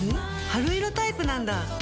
春色タイプなんだ。